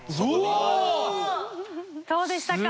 どうでしたか？